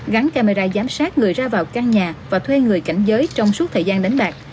gắn camera giám sát người ra vào căn nhà và thuê người cảnh giới trong suốt thời gian đánh bạc